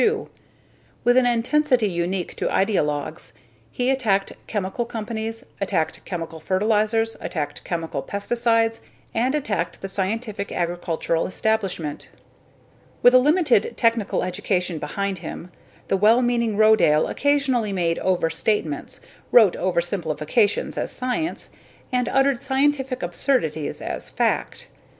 With an intensity unique to ideologues, he attacked chemical companies, attacked chemical fertilizers, attacked chemical pesticides, and attacked the scientific agricultural establishment. With a limited technical education behind him, the well meaning Rodale occasionally made overstatements, wrote oversimplification as science, and uttered scientific absurdities as fact.